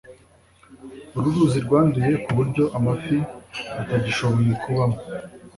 Uru ruzi rwanduye ku buryo amafi atagishoboye kubamo.